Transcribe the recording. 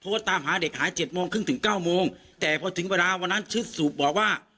เพราะว่าตามหาเด็กหายเจ็ดโมงครึ่งถึงเก้าโมงแต่พอถึงเวลาวันนั้นชุดสูบบอกว่า